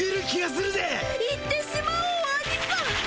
言ってしまおうアニさん。